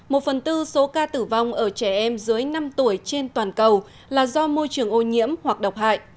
một phần tư số ca tử vong ở trẻ em dưới năm tuổi trên toàn cầu là do môi trường ô nhiễm hoặc độc hại